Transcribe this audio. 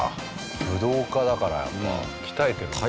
武道家だからやっぱ鍛えてるんですね。